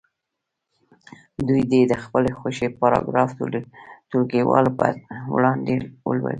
دوی دې د خپلې خوښې پاراګراف ټولګیوالو په وړاندې ولولي.